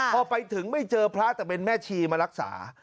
พอไปถึงไม่เจอพระแต่เป็นแม่ชีมารักษา